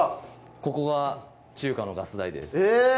ここが中華のガス台ですえーっ！